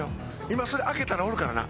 今それ開けたらおるからな。